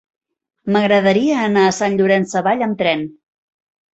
M'agradaria anar a Sant Llorenç Savall amb tren.